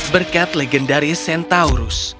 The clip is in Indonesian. berkat legendaris centaurus